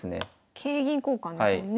桂銀交換ですもんね。